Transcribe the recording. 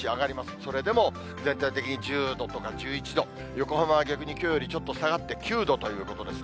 それでも全体的に１０度とか１１度、横浜は逆にきょうよりちょっと下がって９度ということですね。